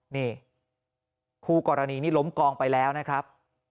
นี่คู่กรณีนี่ล้มกองไปแล้วนะครับ